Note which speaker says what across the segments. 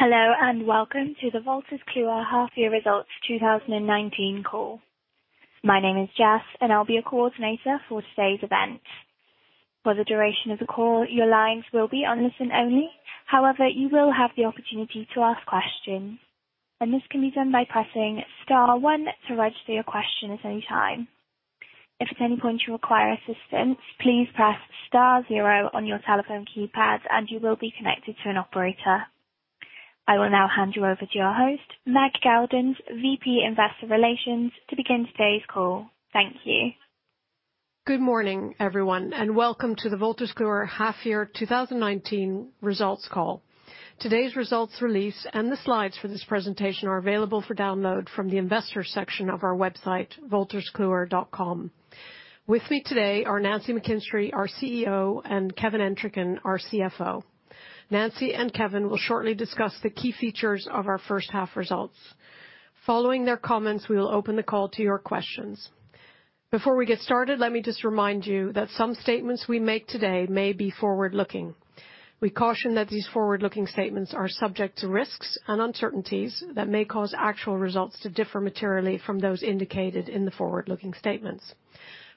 Speaker 1: Hello, and welcome to the Wolters Kluwer half year results 2019 call. My name is Jess, and I'll be your coordinator for today's event. For the duration of the call, your lines will be on listen only. However, you will have the opportunity to ask questions, and this can be done by pressing star 1 to register your question at any time. If at any point you require assistance, please press star 0 on your telephone keypad, and you will be connected to an operator. I will now hand you over to your host, Meg Geldens, VP Investor Relations, to begin today's call. Thank you.
Speaker 2: Good morning, everyone, and welcome to the Wolters Kluwer half year 2019 results call. Today's results release and the slides for this presentation are available for download from the investor section of our website, wolterskluwer.com. With me today are Nancy McKinstry, our CEO, and Kevin Entricken, our CFO. Nancy and Kevin will shortly discuss the key features of our first half results. Following their comments, we will open the call to your questions. Before we get started, let me just remind you that some statements we make today may be forward-looking. We caution that these forward-looking statements are subject to risks and uncertainties that may cause actual results to differ materially from those indicated in the forward-looking statements.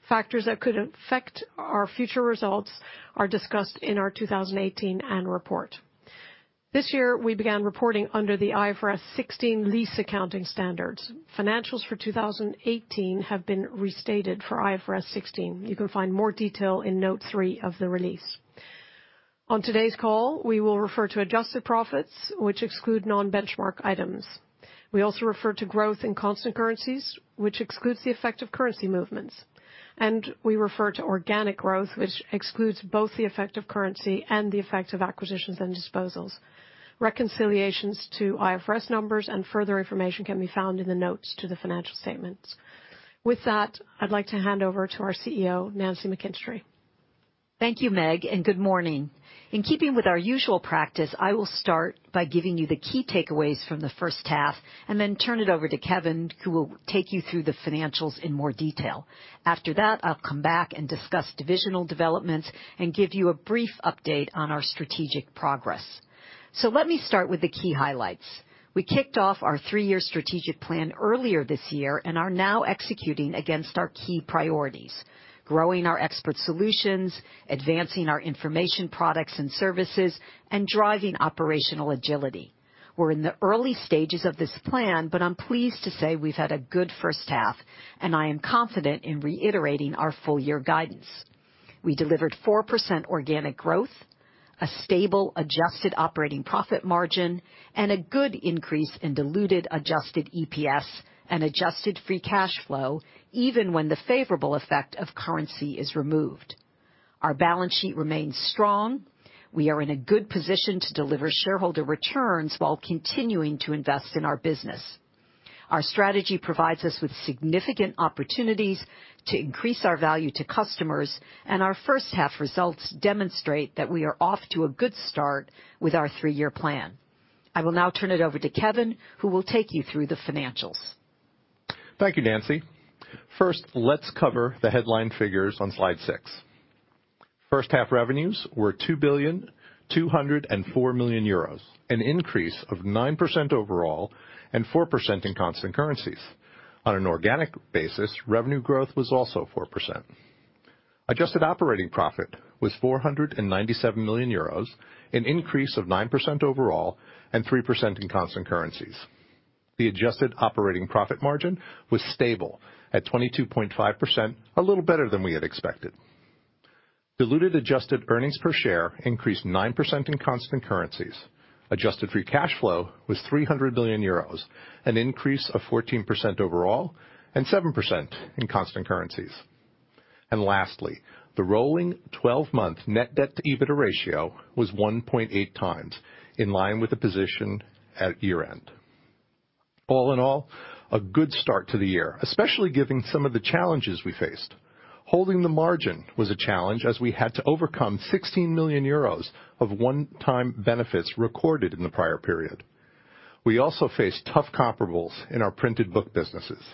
Speaker 2: Factors that could affect our future results are discussed in our 2018 annual report. This year, we began reporting under the IFRS 16 lease accounting standards. Financials for 2018 have been restated for IFRS 16. You can find more detail in note three of the release. On today's call, we will refer to adjusted profits, which exclude non-benchmark items. We also refer to growth in constant currencies, which excludes the effect of currency movements, and we refer to organic growth, which excludes both the effect of currency and the effect of acquisitions and disposals. Reconciliations to IFRS numbers and further information can be found in the notes to the financial statements. With that, I'd like to hand over to our CEO, Nancy McKinstry.
Speaker 3: Thank you, Meg, and good morning. In keeping with our usual practice, I will start by giving you the key takeaways from the first half and then turn it over to Kevin, who will take you through the financials in more detail. After that, I'll come back and discuss divisional developments and give you a brief update on our strategic progress. Let me start with the key highlights. We kicked off our three-year strategic plan earlier this year and are now executing against our key priorities, growing our expert solutions, advancing our information products and services, and driving operational agility. We're in the early stages of this plan, but I'm pleased to say we've had a good first half, and I am confident in reiterating our full year guidance. We delivered 4% organic growth, a stable adjusted operating profit margin, and a good increase in diluted adjusted EPS and adjusted free cash flow, even when the favorable effect of currency is removed. Our balance sheet remains strong. We are in a good position to deliver shareholder returns while continuing to invest in our business. Our strategy provides us with significant opportunities to increase our value to customers, and our first half results demonstrate that we are off to a good start with our three-year plan. I will now turn it over to Kevin, who will take you through the financials.
Speaker 4: Thank you, Nancy. First, let's cover the headline figures on slide six. First half revenues were 2,204 million euros, an increase of 9% overall and 4% in constant currencies. On an organic basis, revenue growth was also 4%. Adjusted operating profit was 497 million euros, an increase of 9% overall and 3% in constant currencies. The adjusted operating profit margin was stable at 22.5%, a little better than we had expected. Diluted adjusted earnings per share increased 9% in constant currencies. Adjusted free cash flow was 300 million euros, an increase of 14% overall and 7% in constant currencies. Lastly, the rolling 12-month net debt to EBITDA ratio was 1.8 times, in line with the position at year-end. All in all, a good start to the year, especially given some of the challenges we faced. Holding the margin was a challenge, as we had to overcome 16 million euros of one-time benefits recorded in the prior period. We also faced tough comparables in our printed book businesses.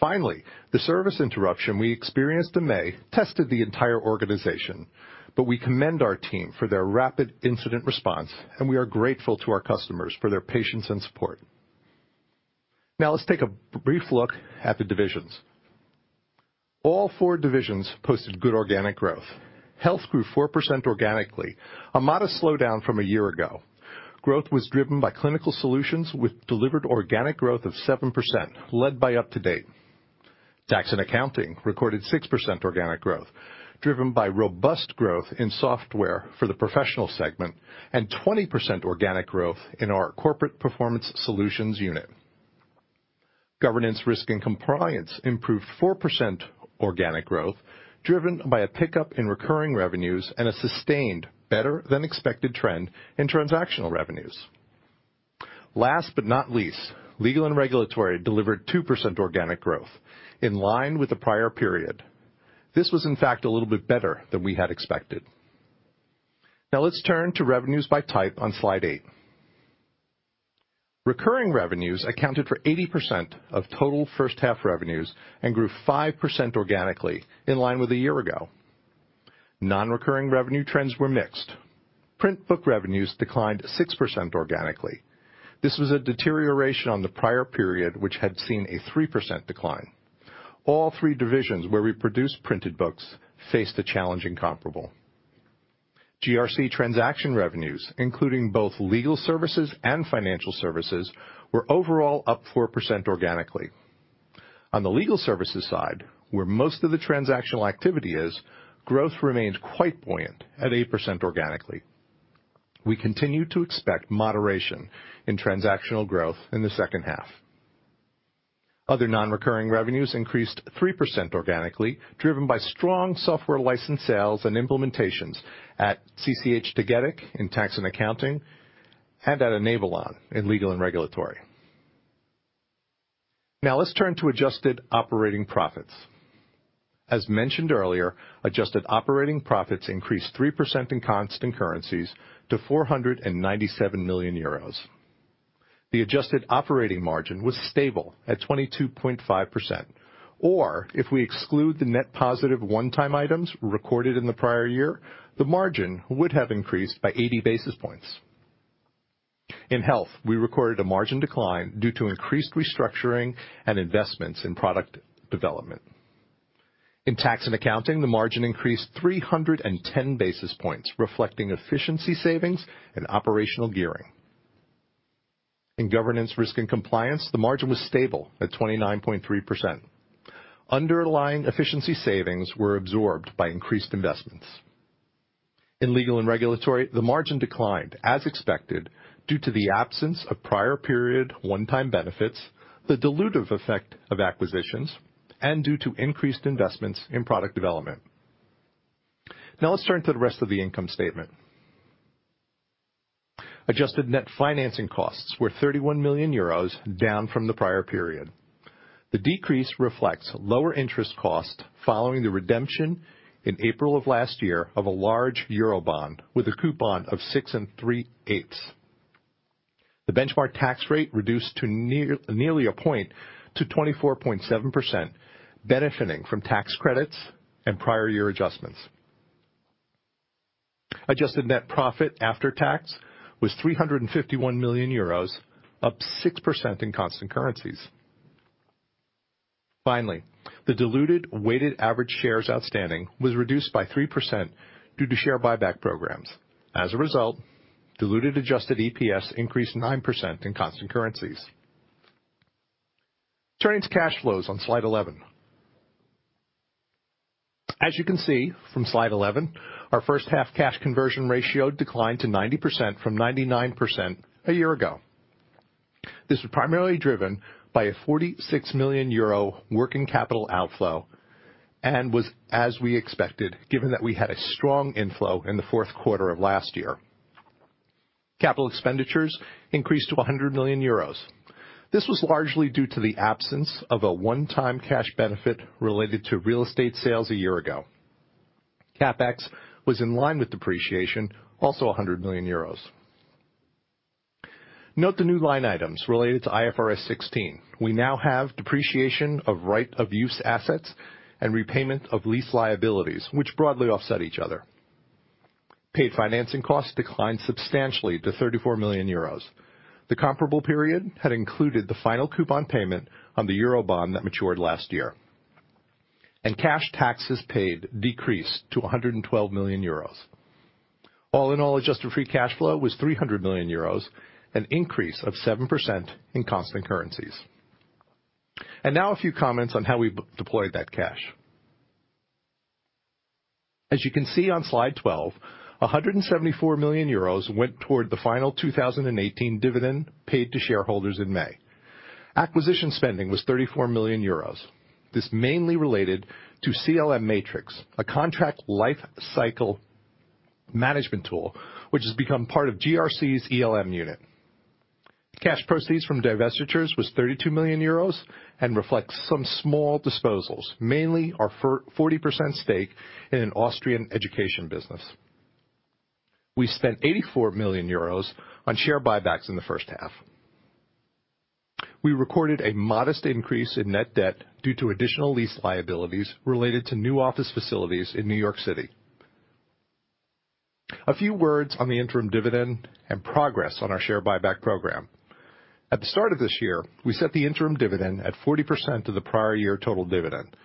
Speaker 4: The service interruption we experienced in May tested the entire organization, but we commend our team for their rapid incident response, and we are grateful to our customers for their patience and support. Let's take a brief look at the divisions. All four divisions posted good organic growth. Health grew 4% organically, a modest slowdown from a year ago. Growth was driven by Clinical Solutions, with delivered organic growth of 7%, led by UpToDate. Tax & Accounting recorded 6% organic growth, driven by robust growth in software for the professional segment and 20% organic growth in our corporate performance solutions unit. Governance, Risk, and Compliance improved 4% organic growth, driven by a pickup in recurring revenues and a sustained better than expected trend in transactional revenues. Last but not least, Legal and Regulatory delivered 2% organic growth in line with the prior period. This was in fact a little bit better than we had expected. Now let's turn to revenues by type on slide eight. Recurring revenues accounted for 80% of total first half revenues and grew 5% organically in line with a year ago. Non-recurring revenue trends were mixed. Print book revenues declined 6% organically. This was a deterioration on the prior period, which had seen a 3% decline. All three divisions where we produce printed books faced a challenging comparable. GRC transaction revenues, including both legal services and financial services, were overall up 4% organically. On the legal services side, where most of the transactional activity is, growth remains quite buoyant at 8% organically. We continue to expect moderation in transactional growth in the second half. Other non-recurring revenues increased 3% organically, driven by strong software license sales and implementations at CCH Tagetik in tax and accounting, and at Enablon in legal and regulatory. Let's turn to adjusted operating profits. As mentioned earlier, adjusted operating profits increased 3% in constant currencies to 497 million euros. The adjusted operating margin was stable at 22.5%, or if we exclude the net positive one-time items recorded in the prior year, the margin would have increased by 80 basis points. In health, we recorded a margin decline due to increased restructuring and investments in product development. In tax and accounting, the margin increased 310 basis points, reflecting efficiency savings and operational gearing. In Governance, Risk and Compliance, the margin was stable at 29.3%. Underlying efficiency savings were absorbed by increased investments. In legal and regulatory, the margin declined as expected due to the absence of prior period one-time benefits, the dilutive effect of acquisitions, and due to increased investments in product development. Now let's turn to the rest of the income statement. Adjusted net financing costs were 31 million euros down from the prior period. The decrease reflects lower interest costs following the redemption in April of last year of a large eurobond with a coupon of six and three-eighths. The benchmark tax rate reduced to nearly a point to 24.7%, benefiting from tax credits and prior year adjustments. Adjusted net profit after tax was 351 million euros, up 6% in constant currencies. Finally, the diluted weighted average shares outstanding was reduced by 3% due to share buyback programs. As a result, diluted adjusted EPS increased 9% in constant currencies. Turning to cash flows on slide 11. As you can see from slide 11, our first half cash conversion ratio declined to 90% from 99% a year ago. This was primarily driven by a 46 million euro working capital outflow and was as we expected, given that we had a strong inflow in the fourth quarter of last year. Capital expenditures increased to 100 million euros. This was largely due to the absence of a one-time cash benefit related to real estate sales a year ago. CapEx was in line with depreciation, also 100 million euros. Note the new line items related to IFRS 16. We now have depreciation of right of use assets and repayment of lease liabilities, which broadly offset each other. Paid financing costs declined substantially to 34 million euros. The comparable period had included the final coupon payment on the eurobond that matured last year. Cash taxes paid decreased to €112 million. All in all, adjusted free cash flow was €300 million, an increase of 7% in constant currencies. Now a few comments on how we deployed that cash. As you can see on slide 12, €174 million went toward the final 2018 dividend paid to shareholders in May. Acquisition spending was €34 million. This mainly related to CLM Matrix, a contract life cycle management tool, which has become part of GRC's ELM unit. Cash proceeds from divestitures was €32 million and reflects some small disposals, mainly our 40% stake in an Austrian education business. We spent €84 million on share buybacks in the first half. We recorded a modest increase in net debt due to additional lease liabilities related to new office facilities in New York City. A few words on the interim dividend and progress on our share buyback program. At the start of this year, we set the interim dividend at 40% of the prior year total dividend.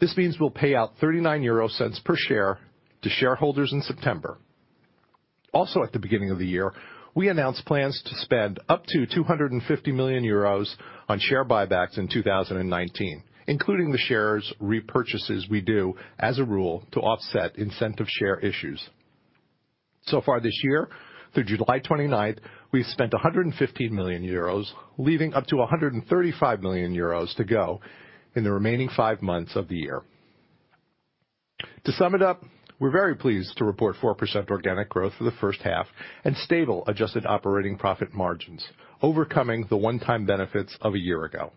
Speaker 4: This means we'll pay out €0.39 per share to shareholders in September. Also, at the beginning of the year, we announced plans to spend up to €250 million on share buybacks in 2019, including the shares repurchases we do as a rule to offset incentive share issues. This year, through July 29th, we've spent €115 million, leaving up to €135 million to go in the remaining five months of the year. To sum it up, we're very pleased to report 4% organic growth for the first half and stable adjusted operating profit margins, overcoming the one-time benefits of a year ago.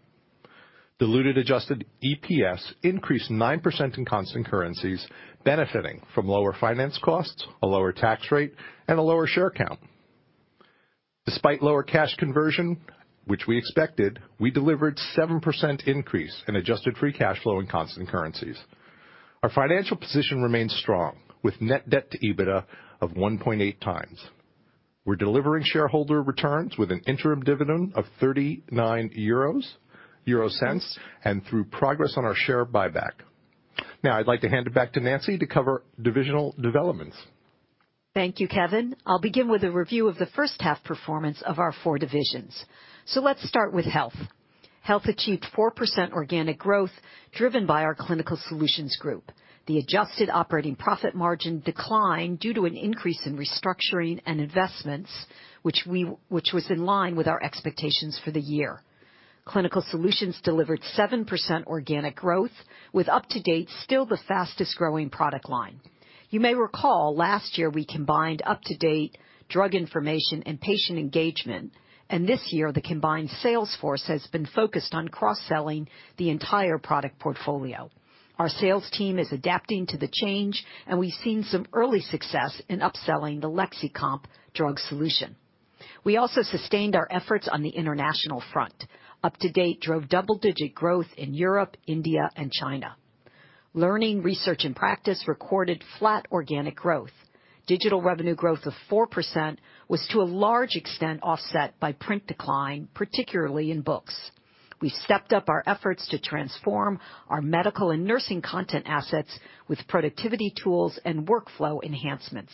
Speaker 4: Diluted adjusted EPS increased 9% in constant currencies, benefiting from lower finance costs, a lower tax rate, and a lower share count. Despite lower cash conversion, which we expected, we delivered 7% increase in adjusted free cash flow in constant currencies. Our financial position remains strong, with net debt to EBITDA of 1.8 times. We're delivering shareholder returns with an interim dividend of 0.39 euros, through progress on our share buyback. I'd like to hand it back to Nancy to cover divisional developments.
Speaker 3: Thank you, Kevin. I'll begin with a review of the first half performance of our four divisions. Let's start with Health. Health achieved 4% organic growth driven by our Clinical Solutions group. The adjusted operating profit margin declined due to an increase in restructuring and investments, which was in line with our expectations for the year. Clinical Solutions delivered 7% organic growth, with UpToDate still the fastest-growing product line. You may recall last year we combined UpToDate, drug information, and patient engagement, and this year the combined sales force has been focused on cross-selling the entire product portfolio. Our sales team is adapting to the change, and we've seen some early success in upselling the Lexicomp drug solution. We also sustained our efforts on the international front. UpToDate drove double-digit growth in Europe, India, and China. Learning, Research, and Practice recorded flat organic growth. Digital revenue growth of 4% was to a large extent offset by print decline, particularly in books. We stepped up our efforts to transform our medical and nursing content assets with productivity tools and workflow enhancements.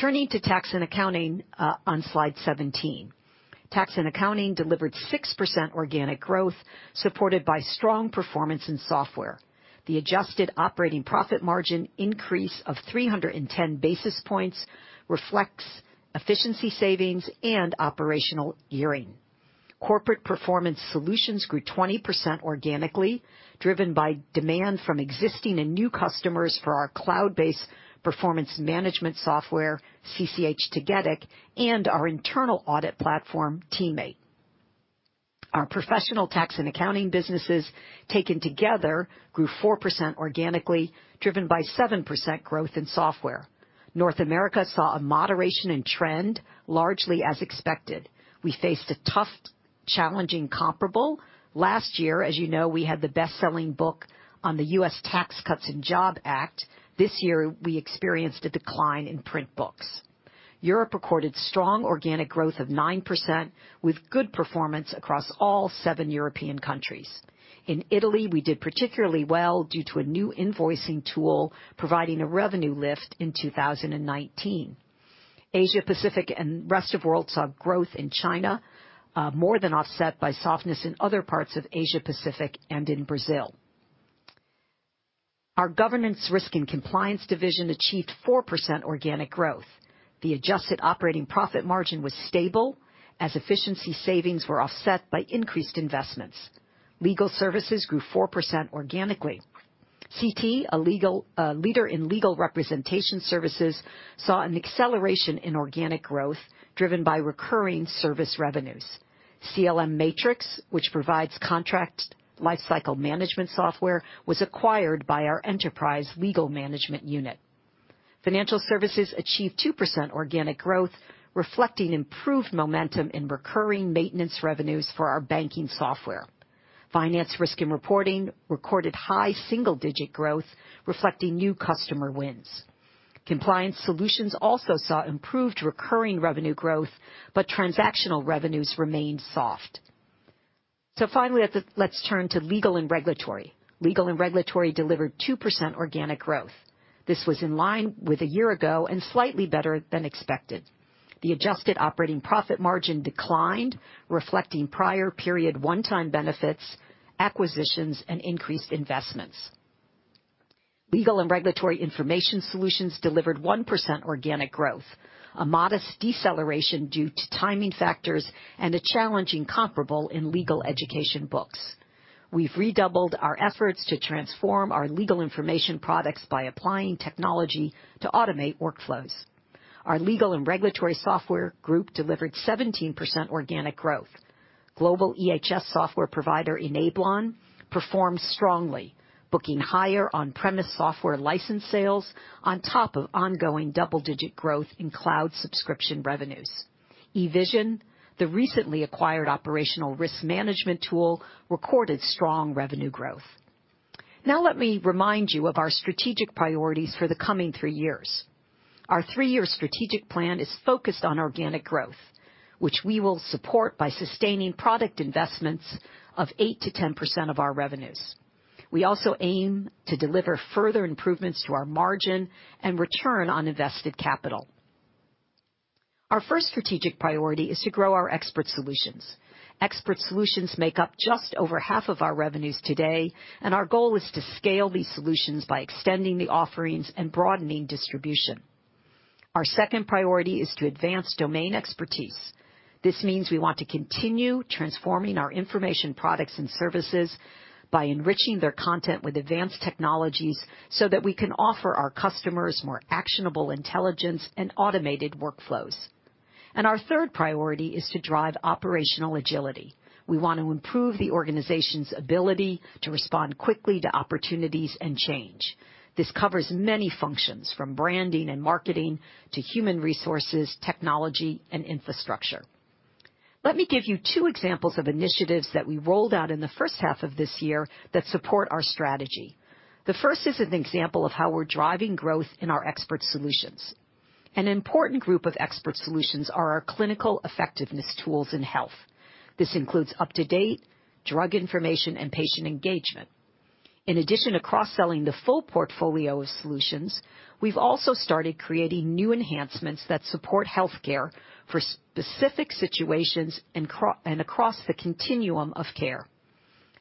Speaker 3: Turning to tax and accounting on slide 17. Tax and accounting delivered 6% organic growth, supported by strong performance in software. The adjusted operating profit margin increase of 310 basis points reflects efficiency savings and operational gearing. Corporate performance solutions grew 20% organically, driven by demand from existing and new customers for our cloud-based performance management software, CCH Tagetik, and our internal audit platform, TeamMate. Our professional tax and accounting businesses, taken together, grew 4% organically, driven by 7% growth in software. North America saw a moderation in trend largely as expected. We faced a tough, challenging comparable. Last year, as you know, we had the best-selling book on the US Tax Cuts and Jobs Act. This year, we experienced a decline in print books. Europe recorded strong organic growth of 9% with good performance across all seven European countries. In Italy, we did particularly well due to a new e-invoicing tool providing a revenue lift in 2019. Asia-Pacific and rest of world saw growth in China, more than offset by softness in other parts of Asia-Pacific and in Brazil. Our governance, risk, and compliance division achieved 4% organic growth. The adjusted operating profit margin was stable as efficiency savings were offset by increased investments. Legal services grew 4% organically. CT, a leader in legal representation services, saw an acceleration in organic growth driven by recurring service revenues. CLM Matrix, which provides contract lifecycle management software, was acquired by our enterprise legal management unit. Financial services achieved 2% organic growth, reflecting improved momentum in recurring maintenance revenues for our banking software. Finance risk and reporting recorded high single-digit growth, reflecting new customer wins. Compliance solutions also saw improved recurring revenue growth, but transactional revenues remained soft. Finally, let's turn to legal and regulatory. Legal and regulatory delivered 2% organic growth. This was in line with a year ago and slightly better than expected. The adjusted operating profit margin declined, reflecting prior period one-time benefits, acquisitions, and increased investments. Legal and regulatory information solutions delivered 1% organic growth, a modest deceleration due to timing factors and a challenging comparable in legal education books. We've redoubled our efforts to transform our legal information products by applying technology to automate workflows. Our legal and regulatory software group delivered 17% organic growth. Global EHS software provider Enablon performed strongly, booking higher on-premise software license sales on top of ongoing double-digit growth in cloud subscription revenues. eVision, the recently acquired operational risk management tool, recorded strong revenue growth. Let me remind you of our strategic priorities for the coming three years. Our three-year strategic plan is focused on organic growth, which we will support by sustaining product investments of 8%-10% of our revenues. We also aim to deliver further improvements to our margin and return on invested capital. Our first strategic priority is to grow our expert solutions. Expert solutions make up just over half of our revenues today, and our goal is to scale these solutions by extending the offerings and broadening distribution. Our second priority is to advance domain expertise. This means we want to continue transforming our information products and services by enriching their content with advanced technologies so that we can offer our customers more actionable intelligence and automated workflows. Our third priority is to drive operational agility. We want to improve the organization's ability to respond quickly to opportunities and change. This covers many functions, from branding and marketing to human resources, technology, and infrastructure. Let me give you two examples of initiatives that we rolled out in the first half of this year that support our strategy. The first is an example of how we're driving growth in our expert solutions. An important group of expert solutions are our clinical effectiveness tools in health. This includes UpToDate drug information and patient engagement. In addition to cross-selling the full portfolio of solutions, we've also started creating new enhancements that support healthcare for specific situations and across the continuum of care.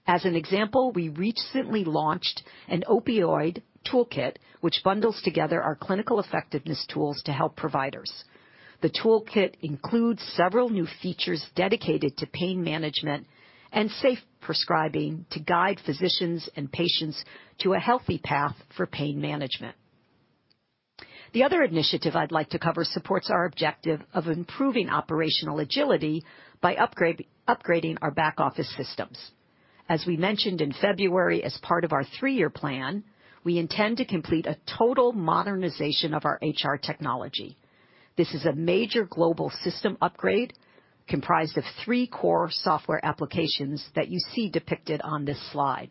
Speaker 3: As an example, we recently launched an opioid toolkit, which bundles together our clinical effectiveness tools to help providers. The toolkit includes several new features dedicated to pain management and safe prescribing to guide physicians and patients to a healthy path for pain management. The other initiative I'd like to cover supports our objective of improving operational agility by upgrading our back-office systems. As we mentioned in February as part of our three-year plan, we intend to complete a total modernization of our HR technology. This is a major global system upgrade comprised of three core software applications that you see depicted on this slide.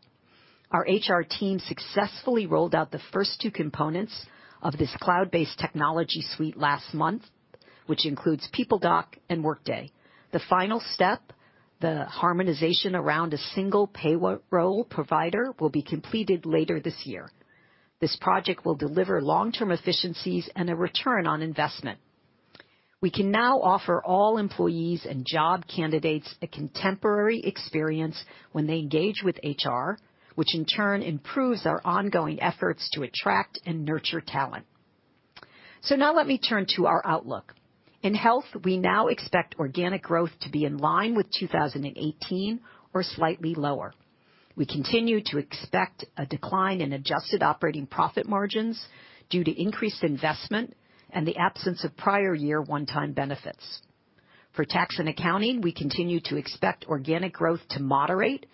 Speaker 3: Our HR team successfully rolled out the first two components of this cloud-based technology suite last month, which includes PeopleDoc and Workday. The final step, the harmonization around a single payroll provider, will be completed later this year. This project will deliver long-term efficiencies and a return on investment. We can now offer all employees and job candidates a contemporary experience when they engage with HR, which in turn improves our ongoing efforts to attract and nurture talent. Now let me turn to our outlook. In Health, we now expect organic growth to be in line with 2018 or slightly lower. We continue to expect a decline in adjusted operating profit margins due to increased investment and the absence of prior year one-time benefits. For Tax and Accounting, we continue to expect organic growth to moderate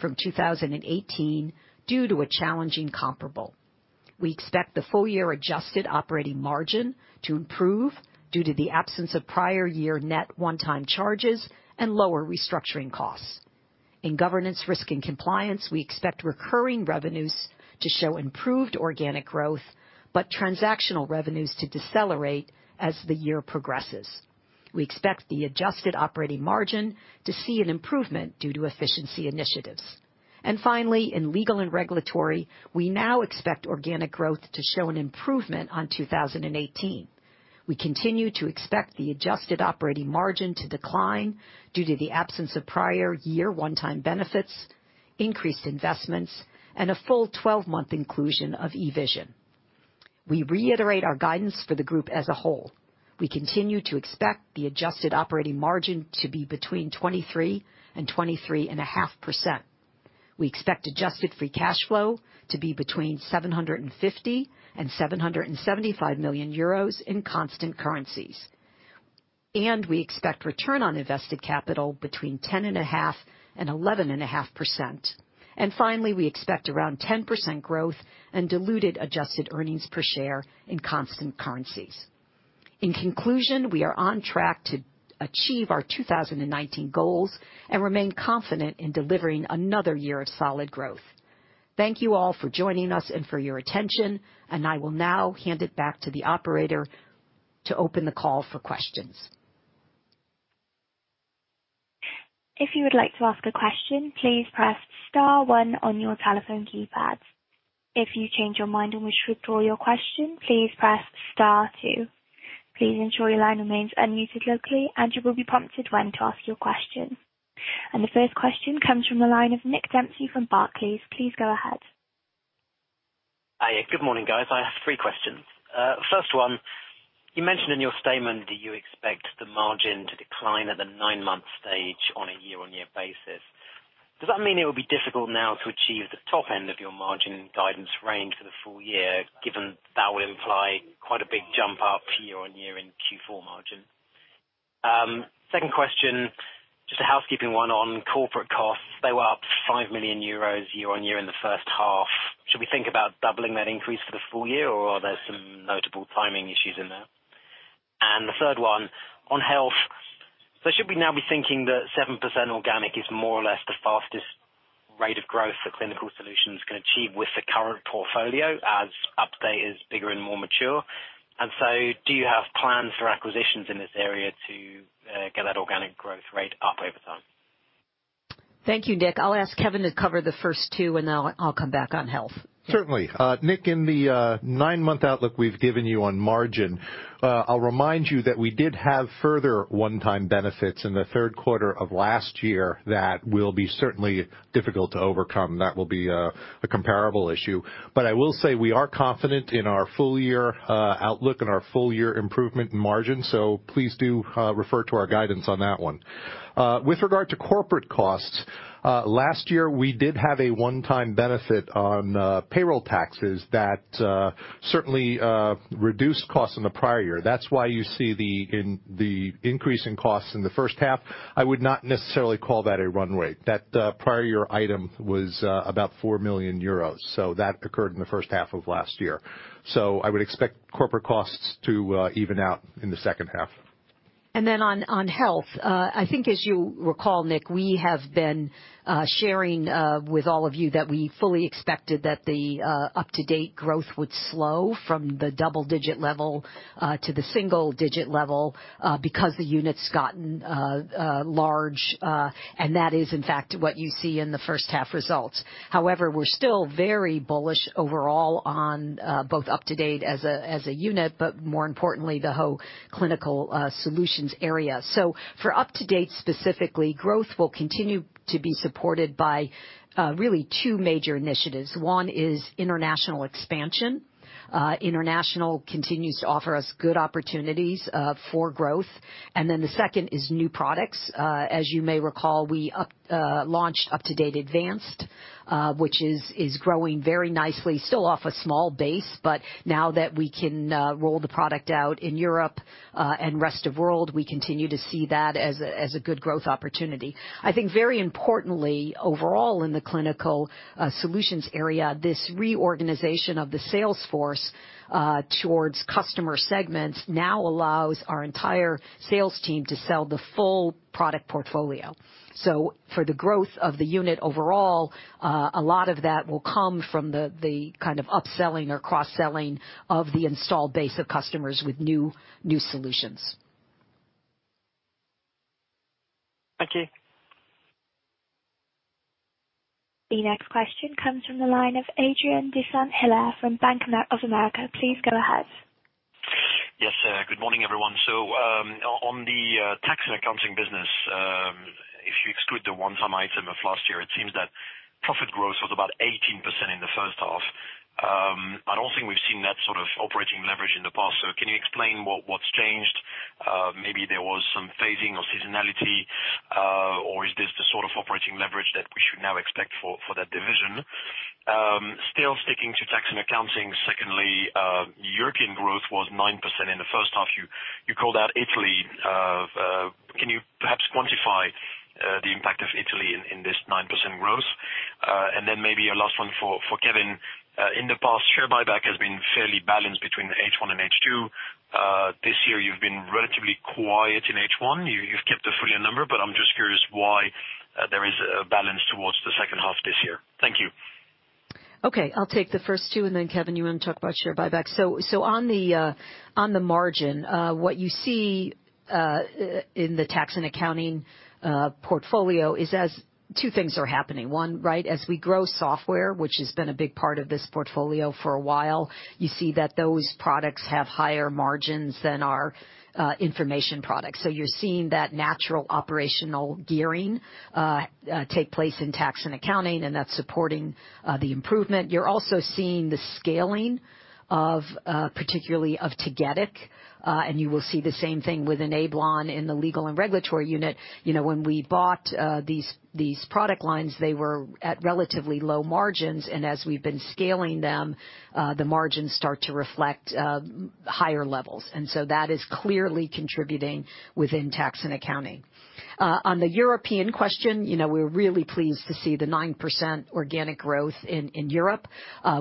Speaker 3: from 2018 due to a challenging comparable. We expect the full-year adjusted operating margin to improve due to the absence of prior year net one-time charges and lower restructuring costs. In Governance, Risk, and Compliance, we expect recurring revenues to show improved organic growth, but transactional revenues to decelerate as the year progresses. We expect the adjusted operating margin to see an improvement due to efficiency initiatives. Finally, in Legal and Regulatory, we now expect organic growth to show an improvement on 2018. We continue to expect the adjusted operating margin to decline due to the absence of prior year one-time benefits, increased investments, and a full 12-month inclusion of eVision. We reiterate our guidance for the group as a whole. We continue to expect the adjusted operating margin to be between 23% and 23.5%. We expect adjusted free cash flow to be between €750 and €775 million in constant currencies. We expect return on invested capital between 10.5% and 11.5%. Finally, we expect around 10% growth in diluted adjusted earnings per share in constant currencies. In conclusion, we are on track to achieve our 2019 goals and remain confident in delivering another year of solid growth. Thank you all for joining us and for your attention. I will now hand it back to the operator to open the call for questions.
Speaker 1: If you would like to ask a question, please press *1 on your telephone keypads. If you change your mind and wish to withdraw your question, please press *2. Please ensure your line remains unmuted locally, and you will be prompted when to ask your question. The first question comes from the line of Nick Dempsey from Barclays. Please go ahead.
Speaker 5: Hi. Good morning, guys. I have three questions. First one, you mentioned in your statement that you expect the margin to decline at the 9-month stage on a year-on-year basis. Does that mean it will be difficult now to achieve the top end of your margin guidance range for the full year, given that would imply quite a big jump up year-on-year in Q4 margin? Second question, just a housekeeping one on corporate costs. They were up 5 million euros year-on-year in the first half. Should we think about doubling that increase for the full year, or are there some notable timing issues in there? The third one, on health, so should we now be thinking that 7% organic is more or less the fastest rate of growth that Clinical Solutions can achieve with the current portfolio as UpToDate is bigger and more mature? Do you have plans for acquisitions in this area to get that organic growth rate up over time?
Speaker 3: Thank you, Nick. I'll ask Kevin to cover the first two, and then I'll come back on health.
Speaker 4: Certainly. Nick, in the nine-month outlook we've given you on margin, I'll remind you that we did have further one-time benefits in the third quarter of last year that will be certainly difficult to overcome. That will be a comparable issue. I will say, we are confident in our full year outlook and our full year improvement in margin. Please do refer to our guidance on that one. With regard to corporate costs, last year we did have a one-time benefit on payroll taxes that certainly reduced costs in the prior year. That's why you see the increase in costs in the first half. I would not necessarily call that a run rate. That prior year item was about 4 million euros. That occurred in the first half of last year. I would expect corporate costs to even out in the second half.
Speaker 3: On health, I think as you recall, Nick, we have been sharing with all of you that we fully expected that the UpToDate growth would slow from the double-digit level to the single-digit level because the unit's gotten large. That is, in fact, what you see in the first half results. We're still very bullish overall on both UpToDate as a unit, but more importantly, the whole Clinical Solutions area. For UpToDate specifically, growth will continue to be supported by really 2 major initiatives. One is international expansion. International continues to offer us good opportunities for growth. The second is new products. As you may recall, we launched UpToDate Advanced, which is growing very nicely. Still off a small base, but now that we can roll the product out in Europe and rest of world, we continue to see that as a good growth opportunity. I think very importantly, overall in the Clinical Solutions area, this reorganization of the sales force towards customer segments now allows our entire sales team to sell the full product portfolio. For the growth of the unit overall, a lot of that will come from the upselling or cross-selling of the install base of customers with new solutions.
Speaker 5: Thank you.
Speaker 1: The next question comes from the line of Adrien de Saint Hilaire from Bank of America. Please go ahead.
Speaker 6: Yes. Good morning, everyone. On the tax and accounting business, if you exclude the one-time item of last year, it seems that profit growth was about 18% in the first half. I don't think we've seen that sort of operating leverage in the past. Can you explain what's changed? Maybe there was some phasing or seasonality, or is this the sort of operating leverage that we should now expect for that division? Still sticking to tax and accounting, secondly, European growth was 9% in the first half. You called out Italy. Can you perhaps quantify the impact of Italy in this 9% growth? Maybe a last one for Kevin. In the past, share buyback has been fairly balanced between H1 and H2. This year, you've been relatively quiet in H1. You've kept a full year number, but I'm just curious why there is a balance towards the second half this year. Thank you.
Speaker 3: Okay. I'll take the first two, and then Kevin Entricken, you want to talk about share buyback? On the margin, what you see in the tax and accounting portfolio is as two things are happening. One, right, as we grow software, which has been a big part of this portfolio for a while, you see that those products have higher margins than our information products. You're seeing that natural operational gearing take place in tax and accounting, and that's supporting the improvement. You're also seeing the scaling particularly of Tagetik. You will see the same thing with Enablon in the legal and regulatory unit. When we bought these product lines, they were at relatively low margins, and as we've been scaling them, the margins start to reflect higher levels. That is clearly contributing within tax and accounting. On the European question, we're really pleased to see the 9% organic growth in Europe.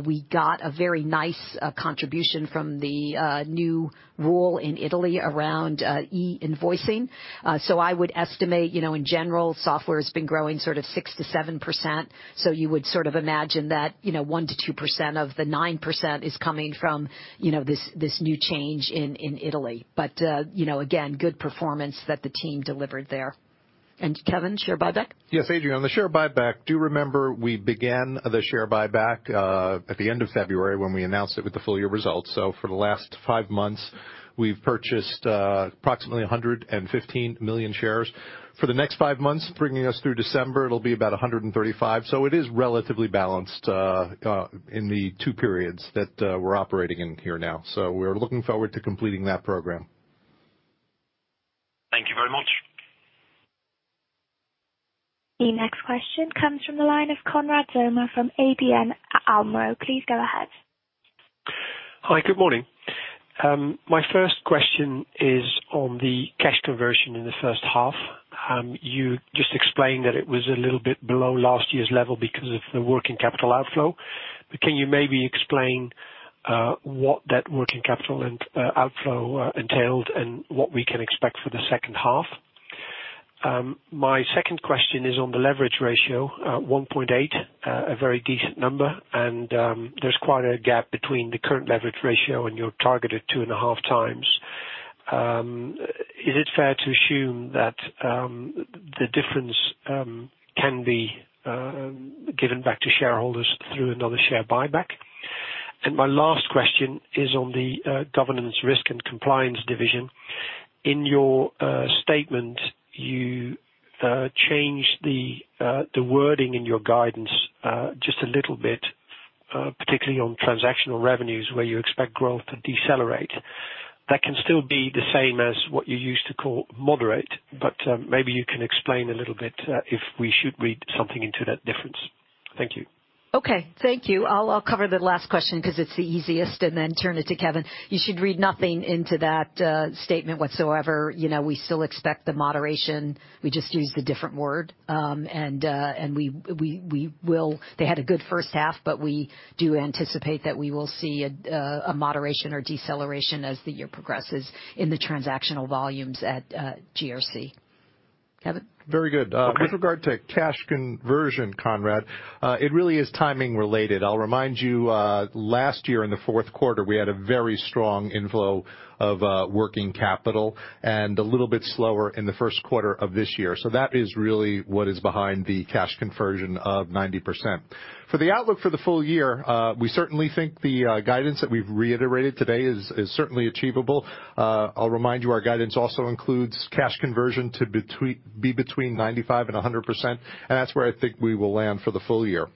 Speaker 3: We got a very nice contribution from the new rule in Italy around e-invoicing. I would estimate, in general, software has been growing 6%-7%. You would imagine that 1%-2% of the 9% is coming from this new change in Italy. Again, good performance that the team delivered there. Kevin, share buyback?
Speaker 4: Yes, Adrien, on the share buyback, do remember we began the share buyback at the end of February when we announced it with the full-year results. For the last five months, we've purchased approximately 115 million shares. For the next five months, bringing us through December, it'll be about 135. It is relatively balanced in the two periods that we're operating in here now. We're looking forward to completing that program.
Speaker 6: Thank you very much.
Speaker 1: The next question comes from the line of Konrad Zomer from ABN AMRO. Please go ahead.
Speaker 7: Hi, good morning. My first question is on the cash conversion in the first half. You just explained that it was a little bit below last year's level because of the working capital outflow. Can you maybe explain what that working capital outflow entailed and what we can expect for the second half? My second question is on the leverage ratio, 1.8, a very decent number. There's quite a gap between the current leverage ratio and your targeted 2.5x. Is it fair to assume that the difference can be given back to shareholders through another share buyback? My last question is on the Governance, Risk and Compliance division. In your statement, you changed the wording in your guidance just a little bit, particularly on transactional revenues where you expect growth to decelerate. That can still be the same as what you used to call moderate, but maybe you can explain a little bit if we should read something into that difference. Thank you.
Speaker 3: Okay. Thank you. I'll cover the last question because it's the easiest, and then turn it to Kevin. You should read nothing into that statement whatsoever. We still expect the moderation. We just used a different word. They had a good first half. We do anticipate that we will see a moderation or deceleration as the year progresses in the transactional volumes at GRC. Kevin?
Speaker 4: Very good. With regard to cash conversion, Konrad, it really is timing related. I'll remind you, last year in the fourth quarter, we had a very strong inflow of working capital and a little bit slower in the first quarter of this year. That is really what is behind the cash conversion of 90%. For the outlook for the full year, we certainly think the guidance that we've reiterated today is certainly achievable. I'll remind you, our guidance also includes cash conversion to be between 95% and 100%, and that's where I think we will land for the full year.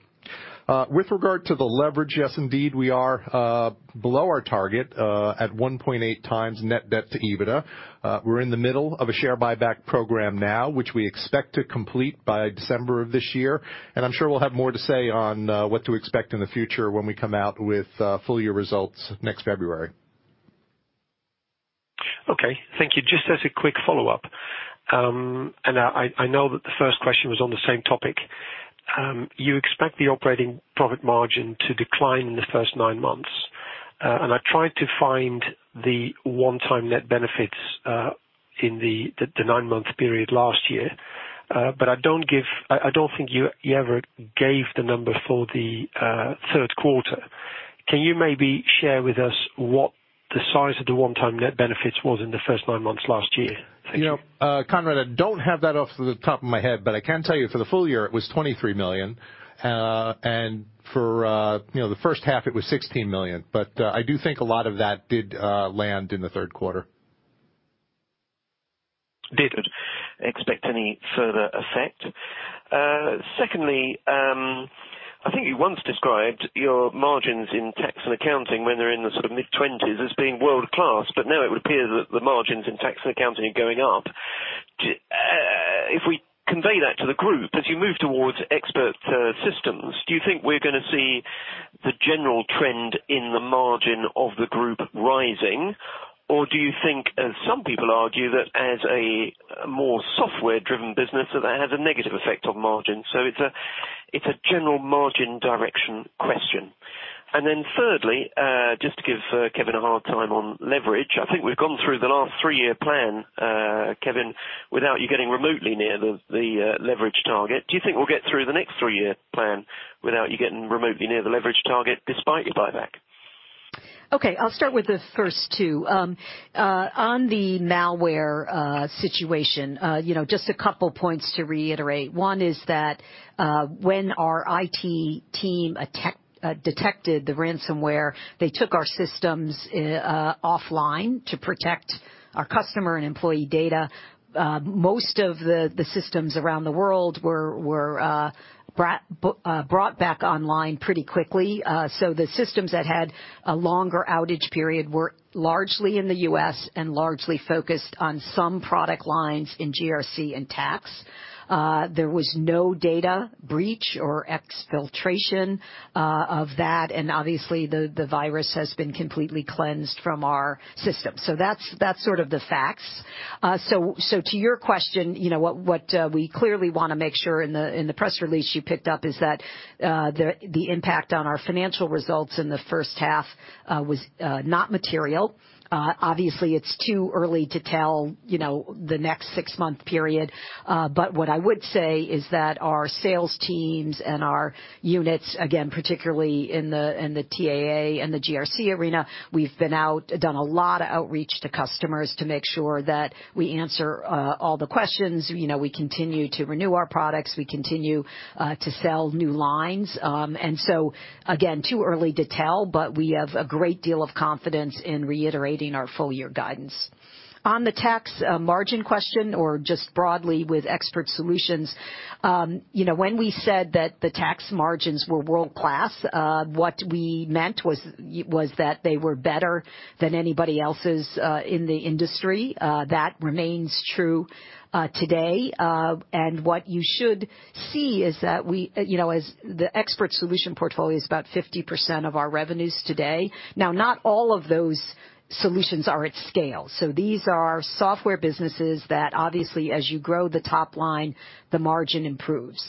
Speaker 4: With regard to the leverage, yes indeed, we are below our target at 1.8 times net debt to EBITDA. We're in the middle of a share buyback program now, which we expect to complete by December of this year. I'm sure we'll have more to say on what to expect in the future when we come out with full-year results next February.
Speaker 7: Okay. Thank you. Just as a quick follow-up, I know that the first question was on the same topic. You expect the operating profit margin to decline in the first nine months. I tried to find the one-time net benefits in the nine-month period last year. I don't think you ever gave the number for the third quarter. Can you maybe share with us what the size of the one-time net benefits was in the first nine months last year? Thank you.
Speaker 4: Konrad, I don't have that off to the top of my head, but I can tell you for the full year, it was 23 million. For the first half, it was 16 million. I do think a lot of that did land in the third quarter.
Speaker 7: Did expect any further effect. Secondly, I think you once described your margins in Tax and Accounting when they're in the sort of mid-20s as being world-class, but now it would appear that the margins in Tax and Accounting are going up. If we convey that to the group, as you move towards expert systems, do you think we're going to see the general trend in the margin of the group rising? Do you think, as some people argue, that as a more software-driven business, that that has a negative effect on margin? It's a general margin direction question. Then thirdly, just to give Kevin a hard time on leverage, I think we've gone through the last three-year plan, Kevin, without you getting remotely near the leverage target. Do you think we'll get through the next three-year plan without you getting remotely near the leverage target despite your buyback?
Speaker 3: Okay, I'll start with the first two. On the malware situation, just a couple points to reiterate. One is that when our IT team detected the ransomware, they took our systems offline to protect our customer and employee data. Most of the systems around the world were brought back online pretty quickly. The systems that had a longer outage period were largely in the U.S. and largely focused on some product lines in GRC and tax. There was no data breach or exfiltration of that, obviously, the virus has been completely cleansed from our system. That's sort of the facts. To your question, what we clearly want to make sure in the press release you picked up is that the impact on our financial results in the first half was not material. Obviously, it's too early to tell the next six-month period. What I would say is that our sales teams and our units, again, particularly in the TAA and the GRC arena, we've been out, done a lot of outreach to customers to make sure that we answer all the questions. We continue to renew our products. We continue to sell new lines. Again, too early to tell, but we have a great deal of confidence in reiterating our full year guidance. On the tax margin question, or just broadly with expert solutions. When we said that the tax margins were world-class, what we meant was that they were better than anybody else's in the industry. That remains true today. What you should see is that as the expert solution portfolio is about 50% of our revenues today. Now, not all of those solutions are at scale. These are software businesses that obviously, as you grow the top line, the margin improves.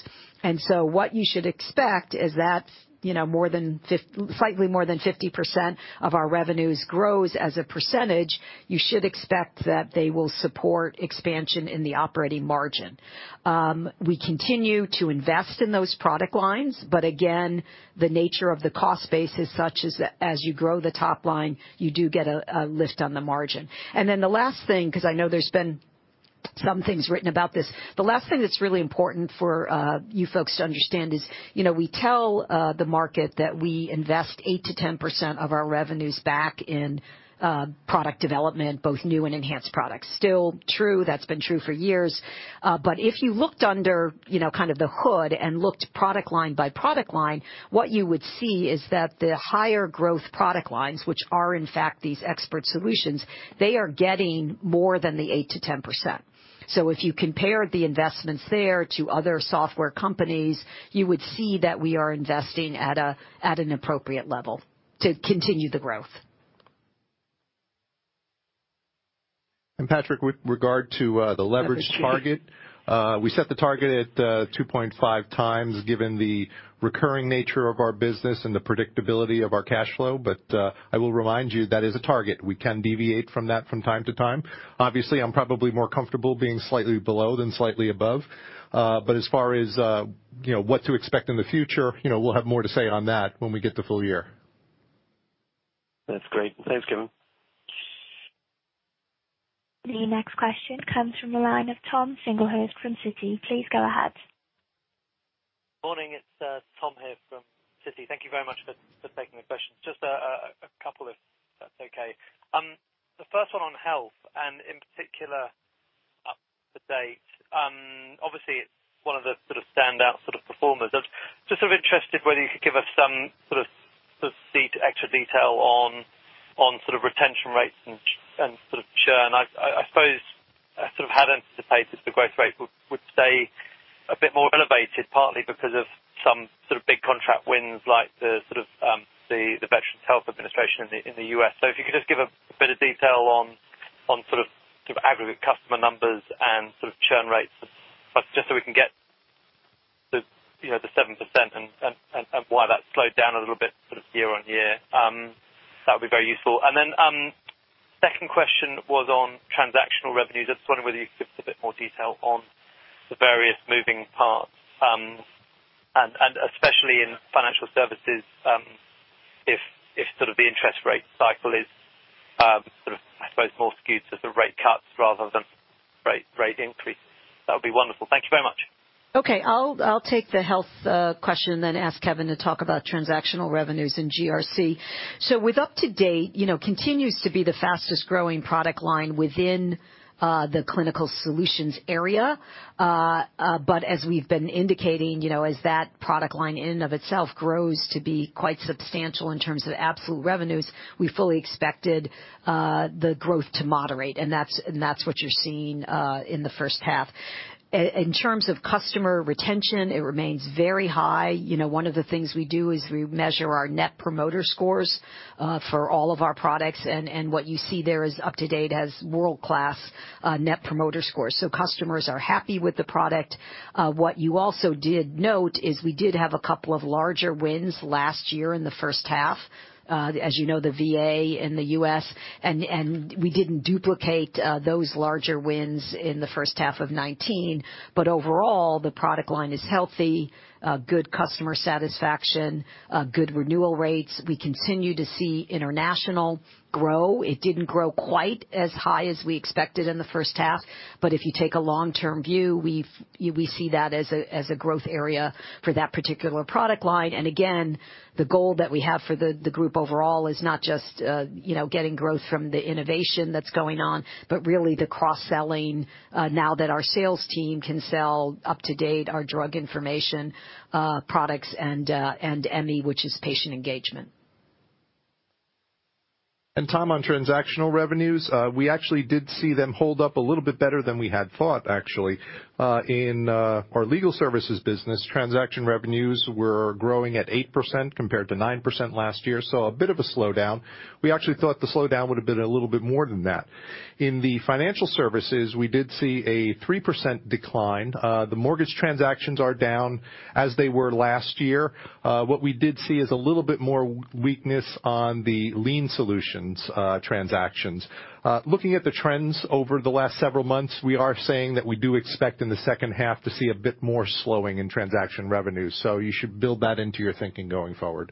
Speaker 3: What you should expect is that slightly more than 50% of our revenues grows as a percentage, you should expect that they will support expansion in the operating margin. We continue to invest in those product lines, but again, the nature of the cost base is such as you grow the top line, you do get a lift on the margin. The last thing, because I know there's been some things written about this. The last thing that's really important for you folks to understand is, we tell the market that we invest 8%-10% of our revenues back in product development, both new and enhanced products. Still true. That's been true for years. If you looked under the hood and looked product line by product line, what you would see is that the higher growth product lines, which are in fact these expert solutions, they are getting more than the 8%-10%. If you compare the investments there to other software companies, you would see that we are investing at an appropriate level to continue the growth.
Speaker 4: Patrick, with regard to the leverage target, we set the target at 2.5 times, given the recurring nature of our business and the predictability of our cash flow. I will remind you, that is a target. We can deviate from that from time to time. Obviously, I'm probably more comfortable being slightly below than slightly above. As far as what to expect in the future, we'll have more to say on that when we get the full year.
Speaker 7: That's great. Thanks, Kevin.
Speaker 1: The next question comes from the line of Tom Singlehurst from Citi. Please go ahead.
Speaker 8: Morning, it's Tom here from Citi. Thank you very much for taking the questions. Just a couple, if that's okay. The first one on health, and in particular, UpToDate. Obviously, it's one of the standout performers. I was just interested whether you could give us some specific extra detail on retention rates and churn. I suppose I had anticipated the growth rate would stay a bit more elevated, partly because of some big contract wins, like the Veterans Health Administration in the U.S. If you could just give a bit of detail on aggregate customer numbers and churn rates, just so we can get the 7% and why that slowed down a little bit year-over-year. That would be very useful. Second question was on transactional revenues. I was just wondering whether you could give us a bit more detail on the various moving parts, and especially in financial services, if the interest rate cycle is I suppose more skewed to the rate cuts rather than rate increase. That would be wonderful. Thank you very much.
Speaker 3: I'll take the health question then ask Kevin to talk about transactional revenues and GRC. With UpToDate, continues to be the fastest growing product line within the Clinical Solutions area. As we've been indicating, as that product line in and of itself grows to be quite substantial in terms of absolute revenues, we fully expected the growth to moderate, and that's what you're seeing in the first half. In terms of customer retention, it remains very high. One of the things we do is we measure our net promoter scores for all of our products, and what you see there is UpToDate has world-class net promoter scores. Customers are happy with the product. What you also did note is we did have a couple of larger wins last year in the first half. As you know, the VA in the U.S., and we didn't duplicate those larger wins in the first half of 2019. Overall, the product line is healthy, good customer satisfaction, good renewal rates. We continue to see international grow. It didn't grow quite as high as we expected in the first half, but if you take a long-term view, we see that as a growth area for that particular product line. Again, the goal that we have for the group overall is not just getting growth from the innovation that's going on, but really the cross-selling, now that our sales team can sell UpToDate, our drug information products, and Emmi, which is patient engagement.
Speaker 4: Tom, on transactional revenues, we actually did see them hold up a little bit better than we had thought, actually. In our legal services business, transaction revenues were growing at 8% compared to 9% last year. A bit of a slowdown. We actually thought the slowdown would've been a little bit more than that. In the financial services, we did see a 3% decline. The mortgage transactions are down, as they were last year. What we did see is a little bit more weakness on the lien solutions transactions. Looking at the trends over the last several months, we are saying that we do expect in the second half to see a bit more slowing in transaction revenues. You should build that into your thinking going forward.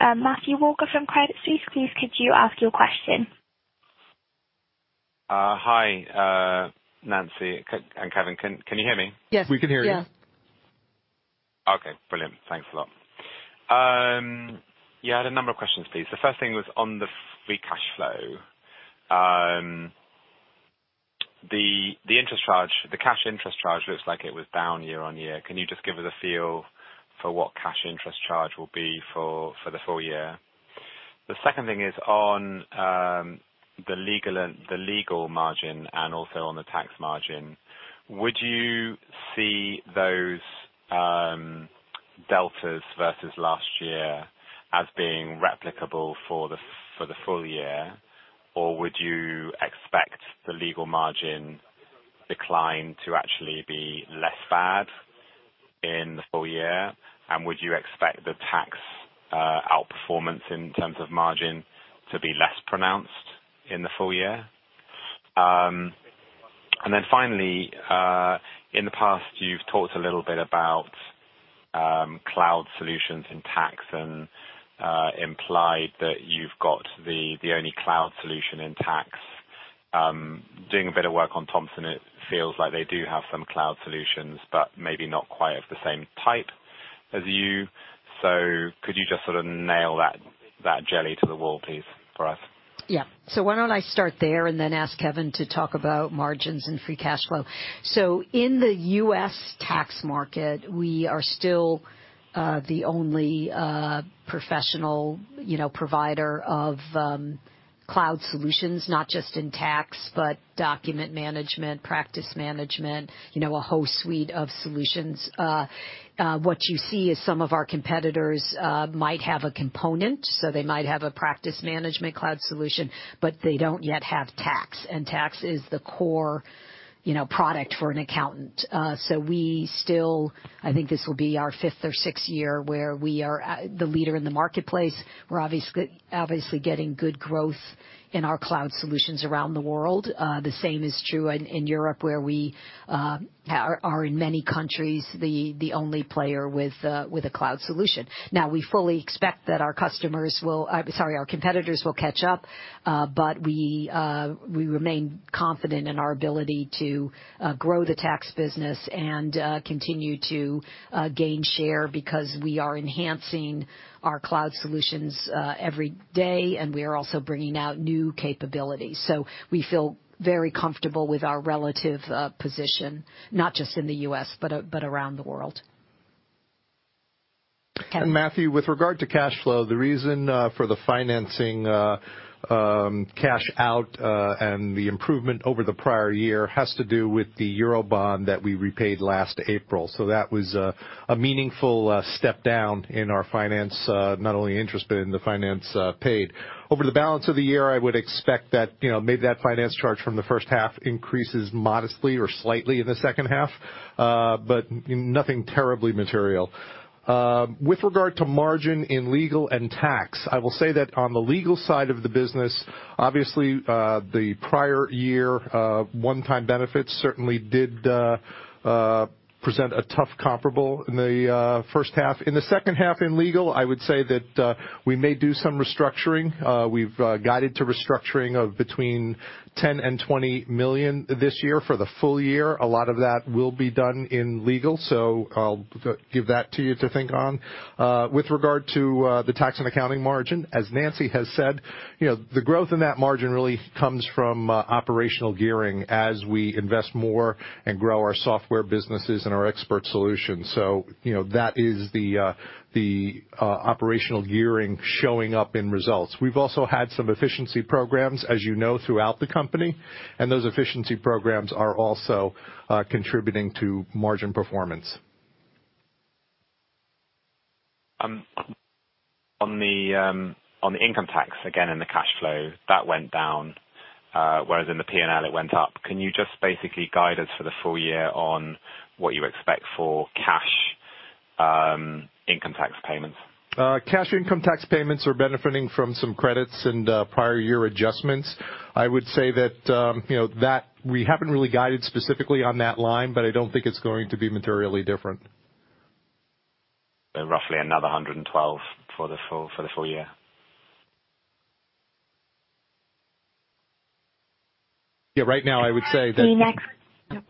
Speaker 1: Matthew Walker from Credit Suisse, please could you ask your question?
Speaker 9: Hi, Nancy and Kevin. Can you hear me?
Speaker 3: Yes.
Speaker 4: We can hear you.
Speaker 3: Yes.
Speaker 9: Okay, brilliant. Thanks a lot. Yeah, I had a number of questions, please. The first thing was on the free cash flow. The cash interest charge looks like it was down year-over-year. Can you just give us a feel for what cash interest charge will be for the full year? The second thing is on the legal margin and also on the tax margin. Would you see those deltas versus last year as being replicable for the full year, or would you expect the legal margin decline to actually be less bad in the full year? Would you expect the tax outperformance in terms of margin to be less pronounced in the full year? Then finally, in the past, you've talked a little bit about cloud solutions in tax and implied that you've got the only cloud solution in tax. Doing a bit of work on Thomson, it feels like they do have some cloud solutions, but maybe not quite of the same type as you. Could you just sort of nail that jelly to the wall, please, for us?
Speaker 3: Yeah. Why don't I start there and then ask Kevin Entricken to talk about margins and free cash flow. In the U.S. tax market, we are still the only professional provider of cloud solutions, not just in tax, but document management, practice management, a whole suite of solutions. What you see is some of our competitors might have a component, so they might have a practice management cloud solution, but they don't yet have tax. Tax is the core product for an accountant. We still, I think this will be our fifth or sixth year where we are the leader in the marketplace. We're obviously getting good growth in our cloud solutions around the world. The same is true in Europe, where we are in many countries, the only player with a cloud solution. We fully expect that our competitors will catch up, but we remain confident in our ability to grow the tax business and continue to gain share because we are enhancing our cloud solutions every day, and we are also bringing out new capabilities. We feel very comfortable with our relative position, not just in the U.S., but around the world. Kevin.
Speaker 4: Matthew, with regard to cash flow, the reason for the financing cash out, and the improvement over the prior year has to do with the Eurobond that we repaid last April. That was a meaningful step down in our finance, not only interest but in the finance paid. Over the balance of the year, I would expect that maybe that finance charge from the first half increases modestly or slightly in the second half, but nothing terribly material. With regard to margin in legal and tax, I will say that on the legal side of the business, obviously, the prior year one-time benefits certainly did present a tough comparable in the first half. In the second half in legal, I would say that we may do some restructuring. We've guided to restructuring of between 10 million and 20 million this year for the full year. A lot of that will be done in legal. I'll give that to you to think on. With regard to the Tax and Accounting margin, as Nancy has said, the growth in that margin really comes from operational gearing as we invest more and grow our software businesses and our expert solutions. That is the operational gearing showing up in results. We've also had some efficiency programs, as you know, throughout the company, and those efficiency programs are also contributing to margin performance.
Speaker 9: On the income tax, again, in the cash flow, that went down, whereas in the P&L it went up. Can you just basically guide us for the full year on what you expect for cash income tax payments?
Speaker 4: Cash income tax payments are benefiting from some credits and prior year adjustments. I would say that we haven't really guided specifically on that line, but I don't think it's going to be materially different.
Speaker 9: Roughly another 112 for the full year.
Speaker 4: Yeah, right now I would say.
Speaker 1: The next-
Speaker 3: No.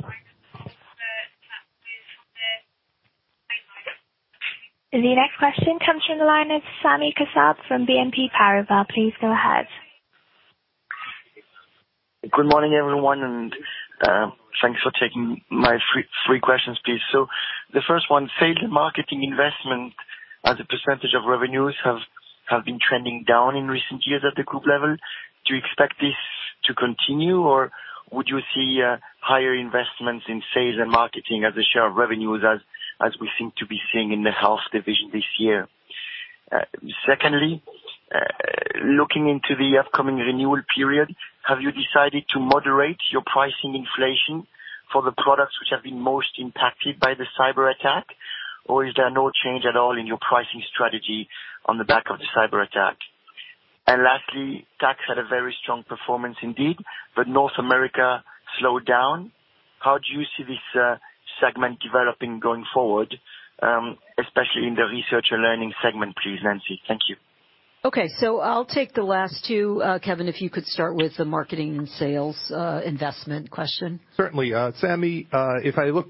Speaker 1: The next question comes from the line of Sami Kassab from BNP Paribas. Please go ahead.
Speaker 10: Good morning, everyone, thanks for taking my three questions, please. The first one, sales and marketing investment as a % of revenues have been trending down in recent years at the group level. Do you expect this to continue, or would you see higher investments in sales and marketing as a share of revenues as we seem to be seeing in the Health Division this year? Secondly, looking into the upcoming renewal period, have you decided to moderate your pricing inflation for the products which have been most impacted by the cyberattack, or is there no change at all in your pricing strategy on the back of the cyberattack? Lastly, Tax had a very strong performance indeed, but North America slowed down. How do you see this segment developing going forward, especially in the Research and Learning segment, please, Nancy? Thank you.
Speaker 3: Okay. I'll take the last two. Kevin, if you could start with the marketing and sales investment question.
Speaker 4: Certainly. Sami, if I look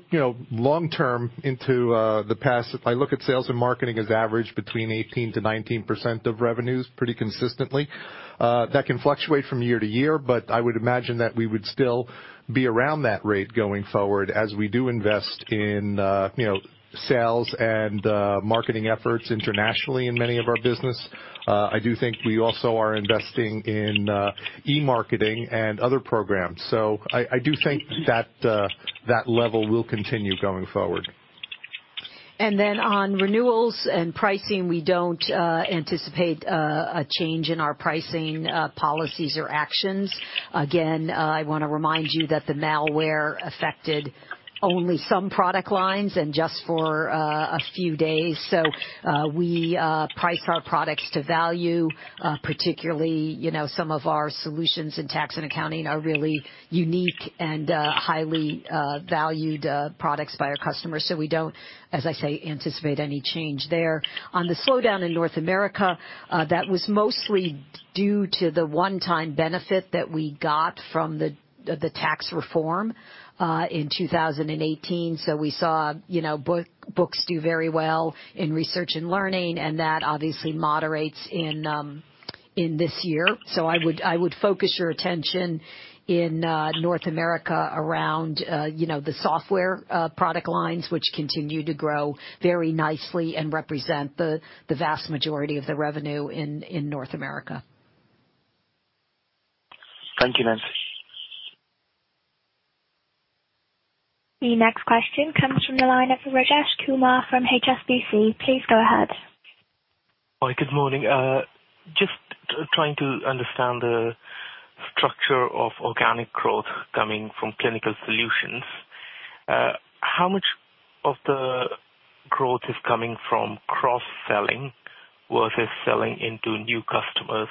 Speaker 4: long-term into the past, if I look at sales and marketing as average between 18%-19% of revenues, pretty consistently, that can fluctuate from year to year. I would imagine that we would still be around that rate going forward as we do invest in sales and marketing efforts internationally in many of our business. I do think we also are investing in e-marketing and other programs. I do think that level will continue going forward.
Speaker 3: On renewals and pricing, we don't anticipate a change in our pricing policies or actions. Again, I want to remind you that the malware affected only some product lines and just for a few days. We price our products to value, particularly some of our solutions in tax and accounting are really unique and highly valued products by our customers. We don't, as I say, anticipate any change there. On the slowdown in North America, that was mostly due to the one-time benefit that we got from the tax reform in 2018. We saw books do very well in research and learning, and that obviously moderates in this year. I would focus your attention in North America around the software product lines, which continue to grow very nicely and represent the vast majority of the revenue in North America.
Speaker 10: Thank you, Nancy.
Speaker 1: The next question comes from the line of Rajesh Kumar from HSBC. Please go ahead.
Speaker 11: Hi, good morning. Just trying to understand the structure of organic growth coming from Clinical Solutions. How much of the growth is coming from cross-selling versus selling into new customers?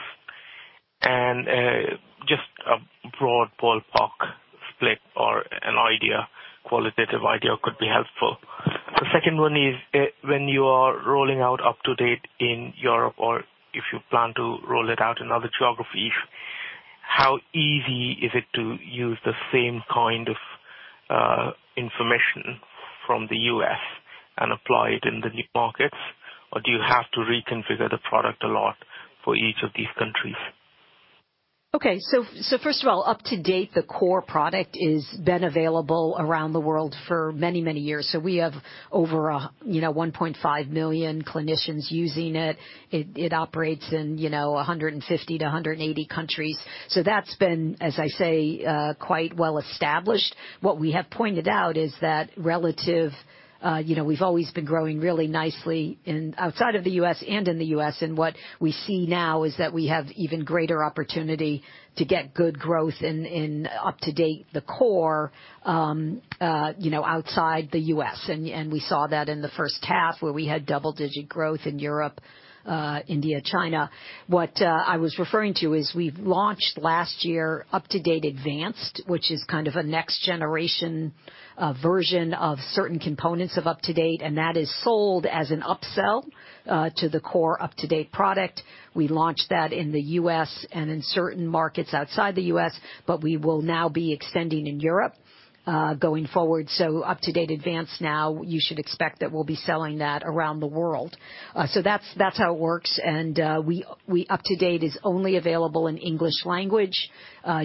Speaker 11: Just a broad ballpark split or an idea, qualitative idea could be helpful. The second one is, when you are rolling out UpToDate in Europe, or if you plan to roll it out in other geographies, how easy is it to use the same kind of information from the U.S. and apply it in the new markets? Do you have to reconfigure the product a lot for each of these countries?
Speaker 3: Okay. First of all, UpToDate, the core product, has been available around the world for many, many years. We have over 1.5 million clinicians using it. It operates in 150 to 180 countries. That's been, as I say, quite well-established. What we have pointed out is that we've always been growing really nicely outside of the U.S. and in the U.S., and what we see now is that we have even greater opportunity to get good growth in UpToDate, the core, outside the U.S. We saw that in the first half where we had double-digit growth in Europe, India, China. What I was referring to is we've launched last year UpToDate Advanced, which is kind of a next generation version of certain components of UpToDate, and that is sold as an upsell to the core UpToDate product. We launched that in the U.S. and in certain markets outside the U.S. We will now be extending in Europe going forward. UpToDate Advanced now, you should expect that we'll be selling that around the world. That's how it works, and UpToDate is only available in English language.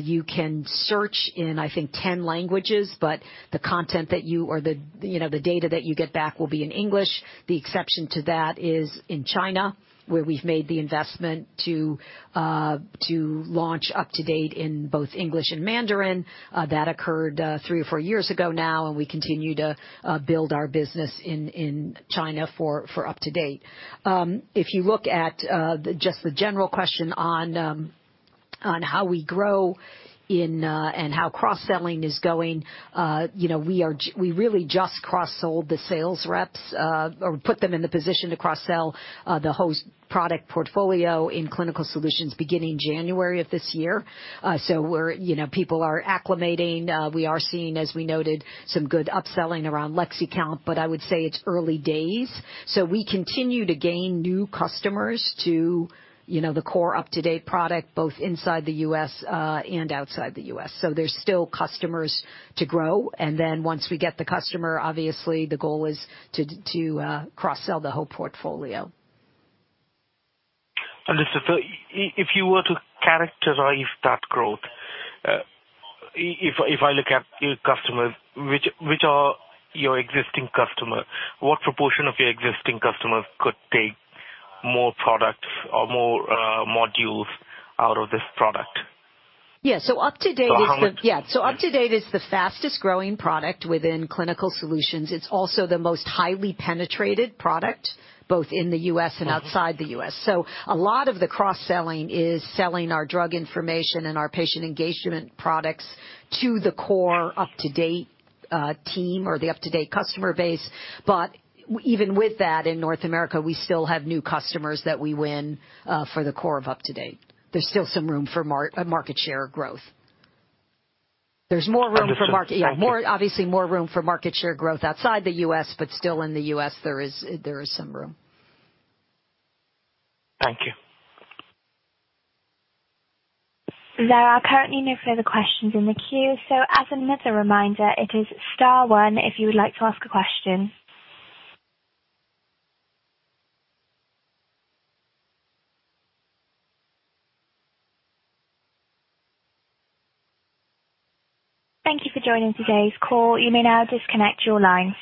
Speaker 3: You can search in, I think, 10 languages. The content or the data that you get back will be in English. The exception to that is in China, where we've made the investment to launch UpToDate in both English and Mandarin. That occurred three or four years ago now, and we continue to build our business in China for UpToDate. If you look at just the general question on how we grow and how cross-selling is going, we really just cross-sold the sales reps, or put them in the position to cross-sell the whole product portfolio in Clinical Solutions beginning January of this year. People are acclimating. We are seeing, as we noted, some good upselling around Lexicomp, but I would say it's early days. We continue to gain new customers to the core UpToDate product, both inside the U.S. and outside the U.S. Once we get the customer, obviously, the goal is to cross-sell the whole portfolio.
Speaker 11: Listen, if you were to characterize that growth, if I look at your customers, which are your existing customer, what proportion of your existing customers could take more products or more modules out of this product?
Speaker 3: Yeah, UpToDate is.
Speaker 11: So how much-
Speaker 3: Yeah. UpToDate is the fastest-growing product within Clinical Solutions. It's also the most highly penetrated product, both in the U.S. and outside the U.S. A lot of the cross-selling is selling our drug information and our patient engagement products to the core UpToDate team or the UpToDate customer base. Even with that, in North America, we still have new customers that we win for the core of UpToDate. There's still some room for market share growth. There's more room for.
Speaker 11: Understood.
Speaker 3: Yeah, obviously more room for market share growth outside the U.S., but still in the U.S., there is some room.
Speaker 11: Thank you.
Speaker 1: There are currently no further questions in the queue. As another reminder, it is star one if you would like to ask a question. Thank you for joining today's call. You may now disconnect your lines.